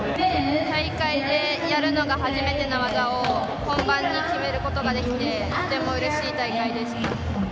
大会でやるのが初めての技を本番に決めることができて、とても嬉しい大会でした。